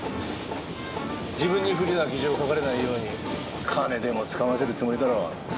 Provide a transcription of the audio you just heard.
自分に不利な記事を書かれないように金でもつかませるつもりだろう。